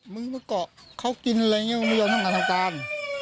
มึงมาเกาะเขากินอะไรอย่างนี้มึงไม่ยอมทำงานทำการ